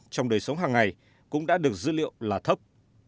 trong đời sống hàng ngày cũng đã được dữ liệu là thấp